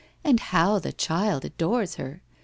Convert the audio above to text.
And how the child adores her